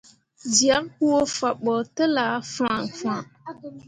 Zyak huu fah ɓo telah fãhnfãhn.